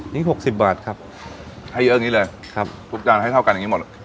นี่๖๐บาทครับให้เยอะอย่างนี้เลยครับทุกจานให้เท่ากันอย่างนี้หมด